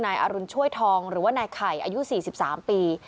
นายอรุณช่วยทองหรือว่านายไข่อายุ๔๓ปี